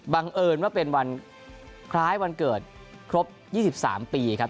เอิญว่าเป็นวันคล้ายวันเกิดครบ๒๓ปีครับ